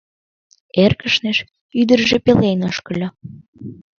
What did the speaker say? Эркышныш, ӱдыржӧ пелен ошкыльо.